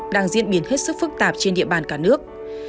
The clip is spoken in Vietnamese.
đang diễn biến hết sức phức tạp trên địa bàn cả nước